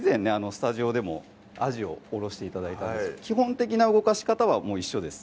スタジオでもあじをおろして頂いたんですけど基本的な動かし方は一緒です